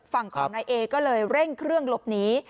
ฝั่งของนายเอก็เลยเร่งเครื่องหลบหนี